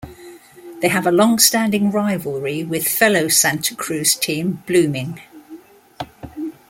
They have a longstanding rivalry with fellow Santa Cruz team Blooming.